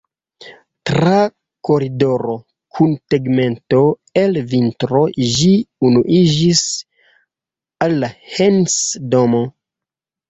Tra koridoro kun tegmento el vitro ĝi unuiĝis al la Heinse-domo.